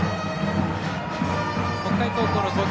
北海高校の投球